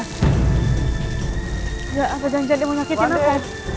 ya apa janjian dia mau nyakitin apa